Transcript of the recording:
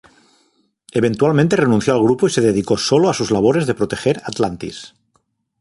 Eventualmente renunció al grupo y se dedicó sólo a sus labores de proteger Atlantis.